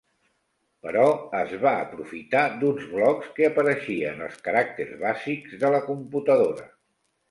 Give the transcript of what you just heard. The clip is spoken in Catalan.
Però, es va aprofitar d'uns blocs que apareixia en els caràcters bàsics de la computadora.